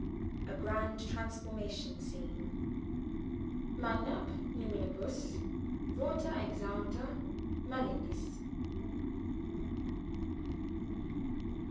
A Grand Transformation Scene "Magnaque numinibus vota exaudita malignis."